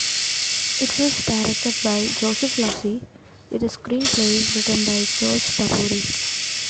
It was directed by Joseph Losey, with a screenplay written by George Tabori.